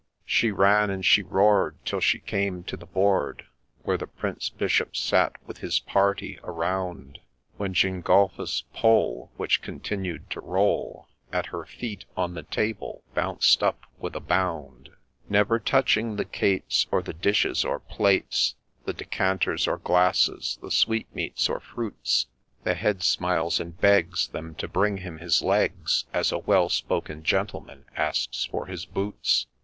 ' She ran and she roar'd, till she came to the board Where the Prince Bishop sat with his party around, When Gengulphus's poll, which continued to roll At her heels, on the table bounced up with a bound. Never touching the cates, or the dishes or plates, The decanters or glasses, the sweetmeats or fruits, The head smiles, and begs them to bring him his legs, As a well spoken gentleman asks for his boots.